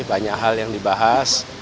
banyak hal yang dibahas